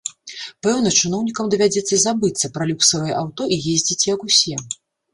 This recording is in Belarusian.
Пэўна, чыноўнікам давядзецца забыцца пра люксавыя аўто і ездзіць, як усе.